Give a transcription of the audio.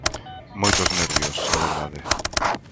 Moitos nervios, a verdade.